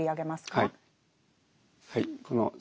はい。